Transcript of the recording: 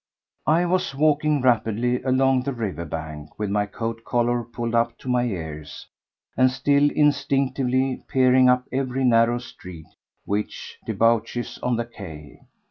I was walking rapidly along the river bank with my coat collar pulled up to my ears, and still instinctively peering up every narrow street which debouches on the quay.